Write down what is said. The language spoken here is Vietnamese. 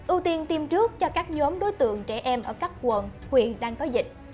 ưu tiên tiêm trước cho các nhóm đối tượng trẻ em ở các quận huyện đang có dịch